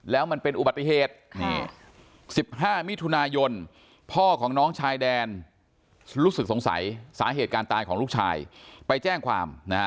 แล้วมันเป็นอุบัติเหตุ๑๕มิถุนายนพ่อของน้องชายแดนรู้สึกสงสัยสาเหตุการตายของลูกชายไปแจ้งความ